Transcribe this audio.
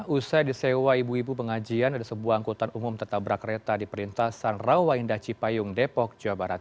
usai disewa ibu ibu pengajian sebuah angkutan umum tertabrak kereta di perintasan rawa indah cipayung depok jawa barat